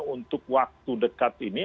untuk waktu dekat ini